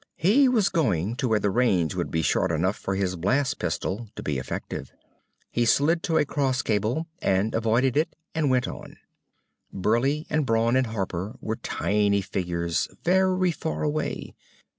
He was going to where the range would be short enough for his blast pistol to be effective. He slid to a cross cable, and avoided it and went on. Burleigh and Brawn and Harper were tiny figures, very far away.